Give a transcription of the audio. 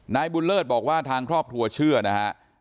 นายบุญเลิศบอกว่าทางครอบครัวเชื่อนะฮะ